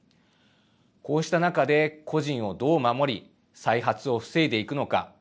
こうした中で個人をどう守り再発を防いでいくのか。